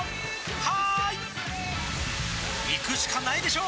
「はーい」いくしかないでしょ！